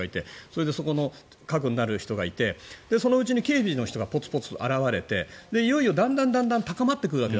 それでそこの核になる人がいてそのうちに警備の人がポツポツと現れていよいよだんだん高まってくるわけ。